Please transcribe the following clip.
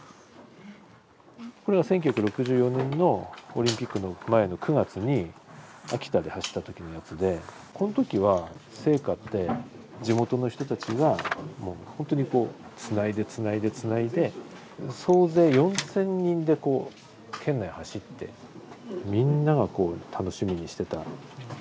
これは１９６４年のオリンピックの前の９月に秋田で走った時のやつでこんときは聖火って地元の人たちがほんとにこうつないでつないでつないで総勢４，０００人でこう県内走ってみんながこう楽しみにしてた。